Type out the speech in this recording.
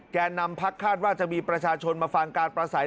แก่นำพักคาดว่าจะมีประชาชนมาฟังการประสัย